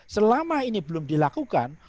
selama ini belum dilakukan